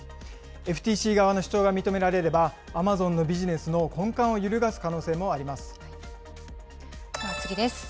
ＦＴＣ側の主張が認められれば、アマゾンのビジネスの根幹を揺るでは次です。